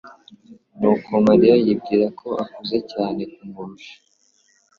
nuko Mariya yibwira ko akuze cyane kumurusha